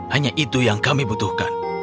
hanya itu yang kami butuhkan